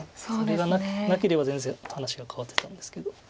それがなければ全然話が変わってたんですけど。